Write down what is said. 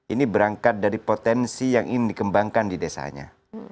ini berangkat dari potensi yang ingin dikembangkan di desanya